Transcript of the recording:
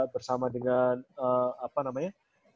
bersama dengan apa namanya